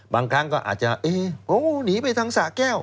บางครั้งก็อาจจะหนีไปทางสะแก้ว